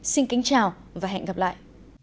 xin kính chào và hẹn gặp lại